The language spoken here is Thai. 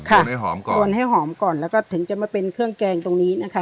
วนให้หอมก่อนควรให้หอมก่อนแล้วก็ถึงจะมาเป็นเครื่องแกงตรงนี้นะคะ